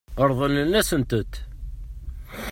Ṛeḍlen-asent-tent.